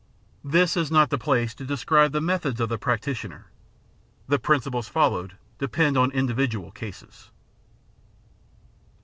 This is not the place to describe the methods of the practitioner; the principles foUowed depend on individual cases.